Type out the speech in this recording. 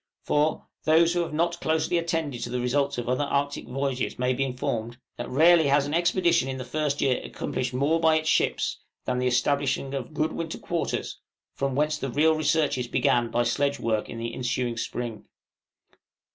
For, those who have not closely attended to the results of other Arctic voyages may be informed, that rarely has an expedition in the first year accomplished more by its ships, than the establishing of good winter quarters, from whence the real researches began by sledge work in the ensuing spring.